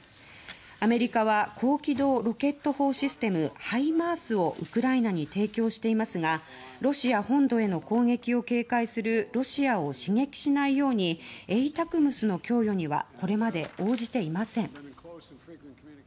アメリカは高機動ロケット砲システムハイマースをウクライナに提供していますがロシア本土への攻撃を警戒するロシアを刺激しないようにＡＴＡＣＭＳの供与にはこれまで応じていません。